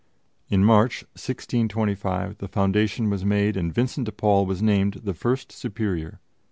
In March, 1625, the foundation was made, and Vincent de Paul was named the first superior.